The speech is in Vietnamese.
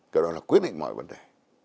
kiểu đó là quyết định mọi vấn đề